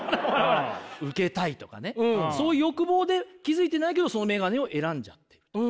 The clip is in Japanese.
ウケたいとかねそういう欲望で気付いてないけどそのメガネを選んじゃってる。